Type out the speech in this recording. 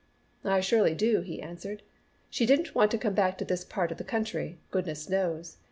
"I surely do," he answered. "She didn't want to come back to this part of the country, goodness knows.